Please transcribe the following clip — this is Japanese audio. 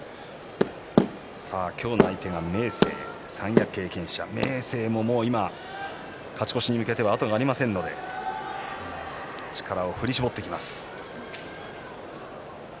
今日の相手が明生三役経験者、明生も勝ち越しに向けては後がありませんので力を振り絞ってきます。